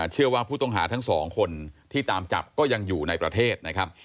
เชื่อว่าผู้ต้องหาทั้งสองคนที่ตามจับก็ยังอยู่ในประเทศนะครับ